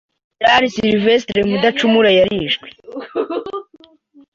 Gen Sylvestre Mudacumura yarishwe